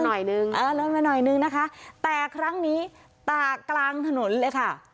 หน่อยหนึ่งเออลงมาหน่อยนึงนะคะแต่ครั้งนี้ตากกลางถนนเลยค่ะ